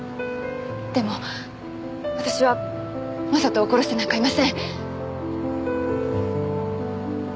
でも私は将人を殺してなんかいません。